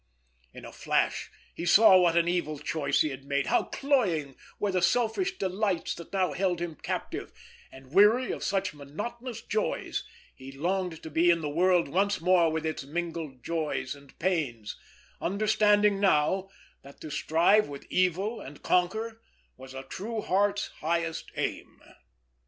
In a flash he saw what an evil choice he had made, how cloying were the selfish delights that now held him captive; and weary of such monotonous joys, he longed to be in the world once more with its mingled joys and pains, understanding now that to strive with evil and conquer was a true heart's highest aim.